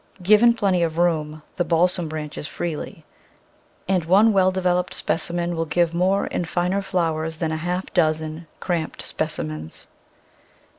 Given plenty of room, the Balsam branches freely, and one well developed specimen will give more and finer flowers than a half dozen cramped specimens.